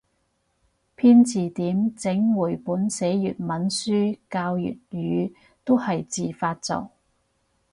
編字典整繪本寫粵文書教粵語都係自發做